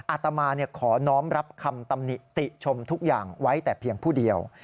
อาตมาขอน้องรับคำตำหนิติชมทุกอย่างไว้แต่เพียงผู้เดียว